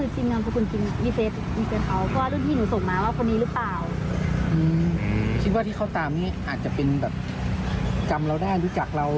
คุณรู้สึกตอนนั้นเป็นยังไงบ้างครับ